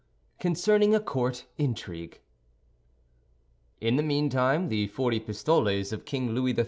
CONCERNING A COURT INTRIGUE In the meantime, the forty pistoles of King Louis XIII.